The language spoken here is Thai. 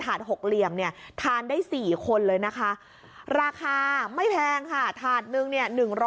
๖เหลี่ยมเนี่ยทานได้๔คนเลยนะคะราคาไม่แพงค่ะถาดนึงเนี่ย๑๐๐